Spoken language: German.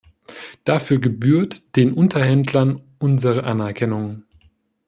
Dafür gebührt den Unterhändlern unsere Anerkennung.